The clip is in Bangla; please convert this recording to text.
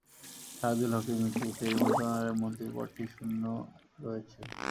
ছায়েদুল হকের মৃত্যুতে এই মন্ত্রণালয়ের মন্ত্রীর পদটি শূন্য রয়েছে।